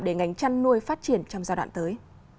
để ngành chăn nuôi phát triển trong giai đoạn tới